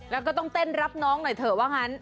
แล้วก็ต้องเต้นรับน้องหน่อยเถอะว่างั้น